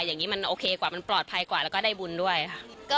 อย่างนี้มันโอเคกว่ามันปลอดภัยกว่าแล้วก็ได้บุญด้วยค่ะ